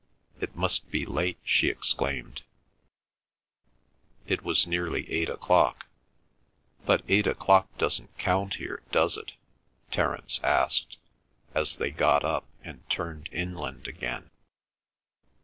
"It must be late!" she exclaimed. It was nearly eight o'clock. "But eight o'clock doesn't count here, does it?" Terence asked, as they got up and turned inland again.